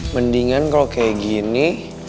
mendingan kalau kayak gini